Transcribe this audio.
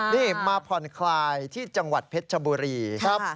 นี่มาผ่อนคลายที่จังหวัดเพชรชบุรีครับ